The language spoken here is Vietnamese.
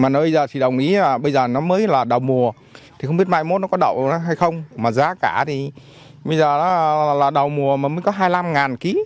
mà nơi bây giờ thì đồng ý bây giờ nó mới là đầu mùa thì không biết mai mốt nó có đậu hay không mà giá cả thì bây giờ nó là đầu mùa mà mới có hai mươi năm kg